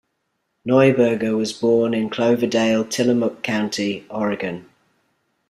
Neuberger was born in Cloverdale, Tillamook County, Oregon.